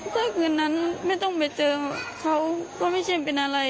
ถ้าคืนนั้นไม่ต้องไปเจอเขาก็ไม่ใช่เป็นอะไร